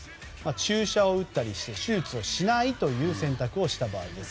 注射を打ったりして手術をしない選択をした場合です。